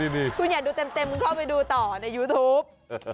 ดูเต็มมึงเข้าไปดูต่อในยูทูป